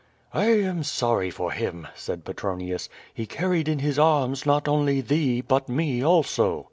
"I am sorry for him," said Petronius. "He carried in his arms not only thee, but me also."